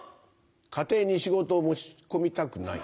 家庭に仕事を持ち込みたくない。